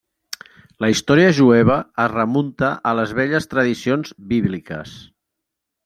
La història jueva es remunta a les velles tradicions bíbliques.